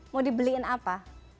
mau dibeliin apa